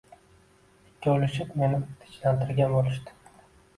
Ikkolvshib meni tinchlantirgan bo`lishdi